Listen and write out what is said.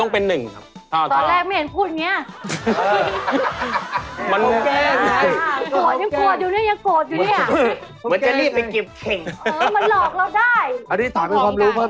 ผมเล่นตั้งแต่อายุ๑๐ควบ